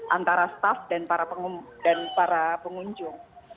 antara staff dan para pengunjung